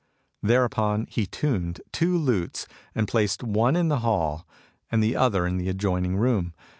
Thereupon he tuned two lutes, and placed one in the hall and the other in the adjoining room.